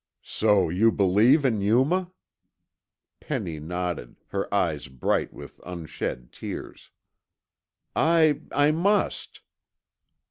"So you believe in Yuma?" Penny nodded, her eyes bright with unshed tears. "I I must."